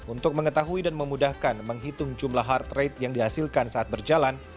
untuk mengetahui dan memudahkan menghitung jumlah heart rate yang dihasilkan saat berjalan